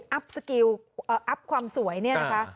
สกิลอัพความสวยเนี่ยนะคะ